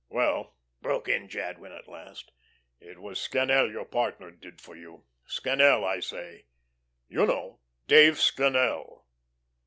"Well," broke in Jadwin, at last, "it was Scannel your partner, did for you. Scannel, I say. You know, Dave Scannel."